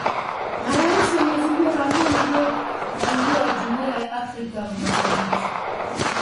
Marais wamezindua ramani iliyopanuliwa ya Jumuiya ya Afrika Mashariki